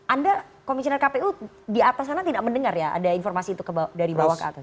anda komisioner kpu di atas sana tidak mendengar ya ada informasi itu dari bawah ke atas